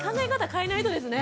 変えないとですね。